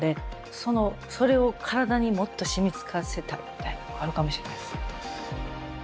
そのそれを体にもっと染みつかせたいみたいなのがあるかもしれないです。